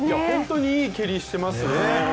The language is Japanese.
本当にいい蹴りしていますね。